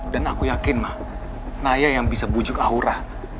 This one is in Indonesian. dan aku yakin ma naya yang bisa bujuk aura